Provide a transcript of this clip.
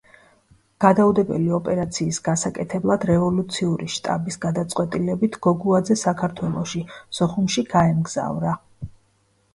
გადაუდებელი ოპერაციის გასაკეთებლად რევოლუციური შტაბის გადაწყვეტილებით გოგუაძე საქართველოში, სოხუმში გაემგზავრა.